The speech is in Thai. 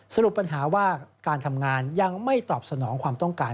สรุปปัญหาว่าการทำงานยังไม่ตอบสนองความต้องการ